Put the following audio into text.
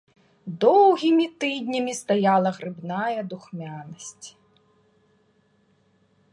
Доўгімі тыднямі стаяла грыбная духмянасць.